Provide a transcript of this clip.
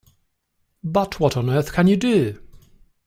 But what on earth can you do?